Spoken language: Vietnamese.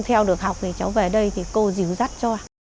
theo được học thì cháu về đây thì cô díu dắt cho